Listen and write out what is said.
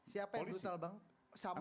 siapa yang brutal bang